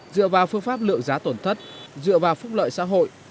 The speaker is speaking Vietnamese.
dựa vào phương pháp lượng giá tổn thất dựa vào phúc lợi xã hội